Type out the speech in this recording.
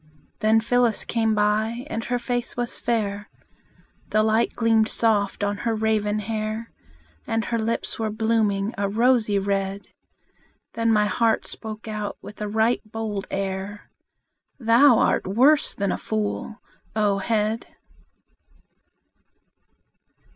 Then Phyllis came by, and her face was fair, The light gleamed soft on her raven hair; And her lips were blooming a rosy red. Then my heart spoke out with a right bold air: "Thou art worse than a fool, O head!"